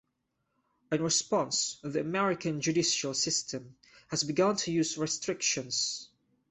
In response, the American judicial system has begun to use restrictions.